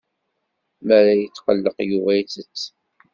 Mi ara yetqelleq Yuba itett.